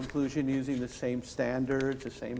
inklusi keuangan menggunakan standar yang sama